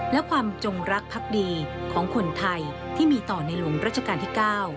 และความจงรักพักดีของคนไทยที่มีต่อในหลวงรัชกาลที่๙